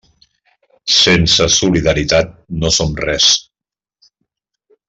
Sense solidaritat no som res.